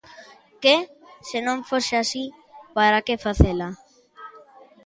Que, se non fose así, para que facela.